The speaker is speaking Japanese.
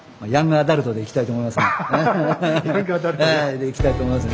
でいきたいと思いますね。